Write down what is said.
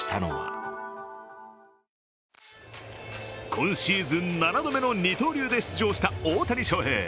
今シーズン７度目の二刀流で出場した大谷翔平。